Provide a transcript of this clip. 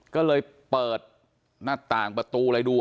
ก็เลยเปิดหน้าต่างประตูอะไรดู